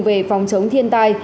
về phòng sống thiên tai